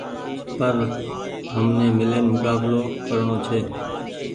پر همني ميلين مڪبلو ڪرڻو ڇي